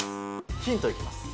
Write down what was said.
ヒントいきます。